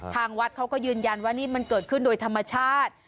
ทางวัดเขาก็ยืนยันว่านี่มันเกิดขึ้นโดยธรรมชาติ